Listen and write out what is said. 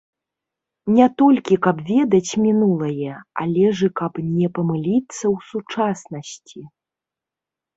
Не толькі каб ведаць мінулае, але ж і каб не памыліцца ў сучаснасці.